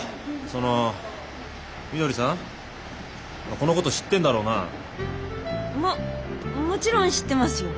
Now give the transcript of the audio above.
このこと知ってんだろうな。ももちろん知ってますよ。